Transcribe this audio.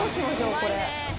これ。